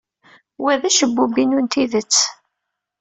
Wa d acebbub-inu n tidet.